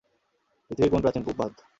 পৃথিবীর কোন প্রাচীন প্রবাদ?